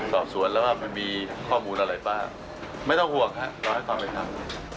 สอบสวนแล้วว่ามันมีข้อมูลอะไรบ้างไม่ต้องห่วงฮะรอให้ความเป็นธรรม